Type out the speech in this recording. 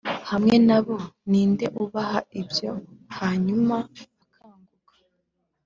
hamwe nabo, ninde ubaha ibyo, hanyuma akanguka